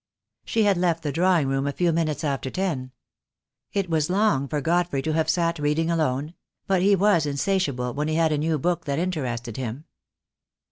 She had left the drawing room a few minutes after ten. It was long for Godfrey to have sat reading alone; but he was insatiable when he had a new book that in terested him.